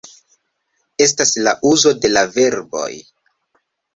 Estas la uzo de la verboj